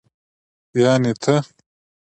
يعنې ته.